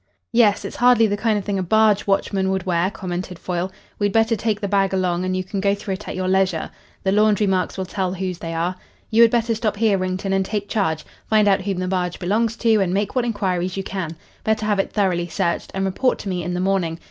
"Yes, it's hardly the kind of thing a barge watchman would wear," commented Foyle. "We'd better take the bag along, and you can go through it at your leisure. The laundry marks will tell whose they are. You had better stop here, Wrington, and take charge. Find out whom the barge belongs to, and make what inquiries you can. Better have it thoroughly searched, and report to me in the morning.